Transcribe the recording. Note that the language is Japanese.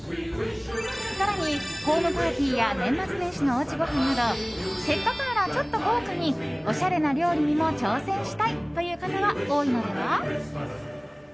更に、ホームパーティーや年末年始のおうちごはんなどせっかくなら、ちょっと豪華におしゃれな料理にも挑戦したい！という方は多いのでは？